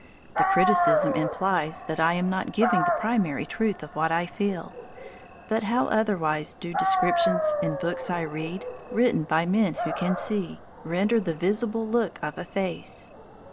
The criticism implies that I am not giving the primary truth of what I feel; but how otherwise do descriptions in books I read, written by men who can see, render the visible look of a face?